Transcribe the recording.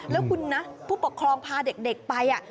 แล้วคุณนะผู้ปกครองพาเด็กไป